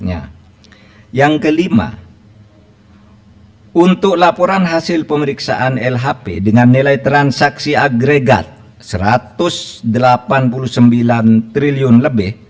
yang kelima untuk laporan hasil pemeriksaan lhp dengan nilai transaksi agregat rp satu ratus delapan puluh sembilan triliun lebih